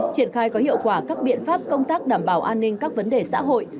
triển khai có hiệu quả các biện pháp công tác đảm bảo an ninh các vấn đề xã hội